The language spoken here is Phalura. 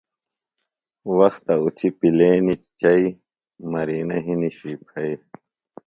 وختہ اُتھیۡ پیلینیۡ چئیۡ، مرینہ ہنیۡ شُوی پھئیۡ